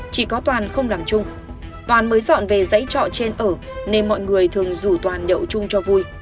chỉ có toàn không làm chung toàn mới dọn về giấy trọ trên ở nên mọi người thường rủ toàn nhậu chung cho vui